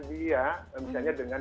dia misalnya dengan